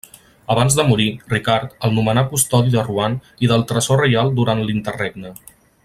Abans de morir, Ricard, el nomenà custodi de Rouen i del tresor reial durant l'interregne.